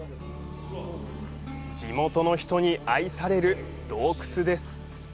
地元の人に愛される洞窟です。